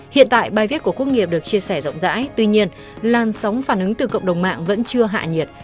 hiện tại bài viết của quốc nghiệp được chia sẻ rộng rãi tuy nhiên lan sóng phản ứng từ cộng đồng mạng vẫn chưa hạ nhiệt